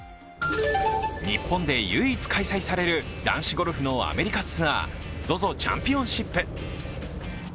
日本で唯一開催される男子ゴルフのアメリカツアーＺＯＺＯチャンピオンシップ。